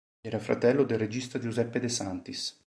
Era fratello del regista Giuseppe De Santis.